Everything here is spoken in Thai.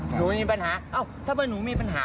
หนูมีปัญหาเอ้าถ้าว่าหนูมีปัญหา